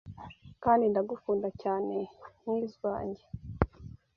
Kandi ndagukunda cyane mwizwanjye